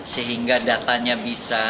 sehingga datanya bisa